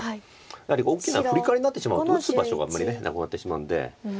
やはり大きなフリカワリになってしまうと打つ場所があんまりなくなってしまうんで。